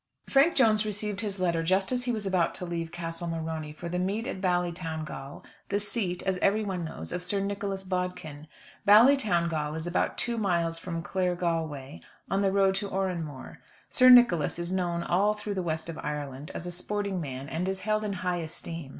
Frank Jones received his letter just as he was about to leave Castle Morony for the meet at Ballytowngal, the seat, as everybody knows, of Sir Nicholas Bodkin. Ballytowngal is about two miles from Claregalway, on the road to Oranmore. Sir Nicholas is known all through the West of Ireland, as a sporting man, and is held in high esteem.